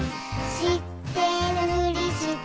「しってるふりして」